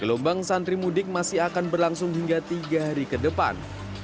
gelombang santri mudik masih akan berlangsung hingga tiga hari ke depan